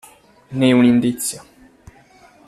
Né un indizio.